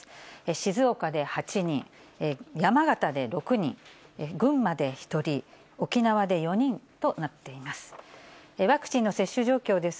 静岡で８人、山形で６人、群馬で１人、沖縄で４人となっています。